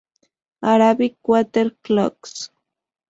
Arabic Water-Clocks.